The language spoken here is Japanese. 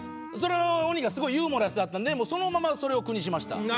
その鬼がすごいユーモラスだったんでそのままそれを句にしました。